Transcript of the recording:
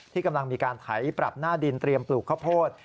กำลังมีการไถปรับหน้าดินเตรียมปลูกข้าวโพด